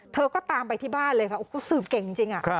เธอก็ตามไปที่บ้านเลยค่ะโอ้โหสืบเก่งจริง